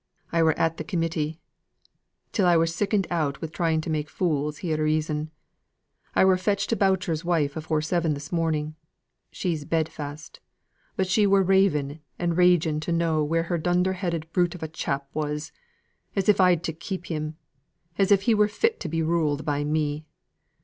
I were at the Committee, till I were sickened out wi' trying to make fools hear reason. I were fetched to Boucher's wife afore seven this morning. She's bed fast, but she were raving and raging to know where her dunner headed brute of a chap was, as if I'd to keep him as if he were fit to be ruled by me.